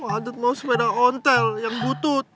ajatmu sepeda ontel yang butut